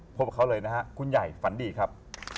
พบกับเขาเลยนะฮะคุณใหญ่ฝันดีครับ